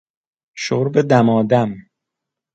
شرب دمادم